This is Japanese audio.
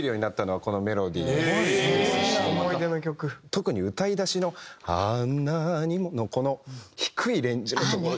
特に歌いだしの「あんなにも」のこの低いレンジのところ。